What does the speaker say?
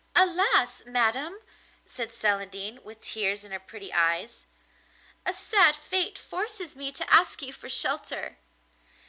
'Alas! madam,' said Celandine, with tears in her pretty eyes, 'a sad fate forces me to ask you for shelter.